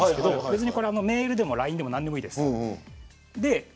別にメールでもＬＩＮＥでも何でもいいです。